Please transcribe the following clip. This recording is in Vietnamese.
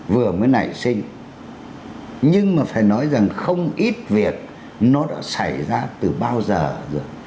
vừa mới nảy sinh nhưng mà phải nói rằng không ít việc nó đã xảy ra từ bao giờ rồi